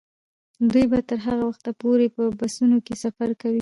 دوی به تر هغه وخته پورې په بسونو کې سفر کوي.